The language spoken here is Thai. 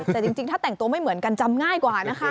แต่จริงถ้าแต่งตัวไม่เหมือนกันจำง่ายกว่านะคะ